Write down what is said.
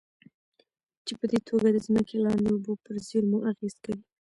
چې پدې توګه د ځمکې لاندې اوبو پر زېرمو اغېز کوي.